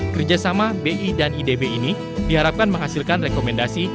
kerjasama bi dan idb ini diharapkan menghasilkan rekomendasi